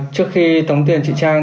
trước khi tống tiền chị trang